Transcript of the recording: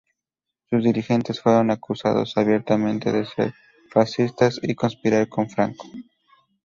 Sus dirigentes fueron acusados abiertamente de ser fascistas y conspirar con Franco.